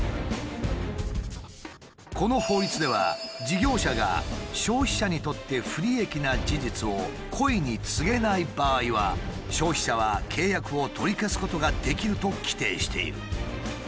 この法律では事業者が消費者にとって不利益な事実を故意に告げない場合は消費者は契約を取り消すことができると規定している。